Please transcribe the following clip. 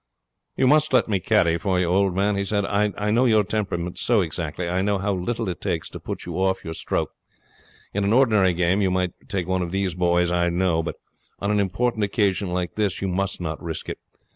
'You must let me caddie for you, old man,' he said. 'I know your temperament so exactly. I know how little it takes to put you off your stroke. In an ordinary game you might take one of these boys, I know, but on an important occasion like this you must not risk it.